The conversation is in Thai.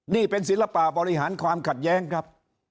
นี่เป็นศิลปะบริหารความขัดแย้งครับ